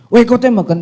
weh kau tembak kan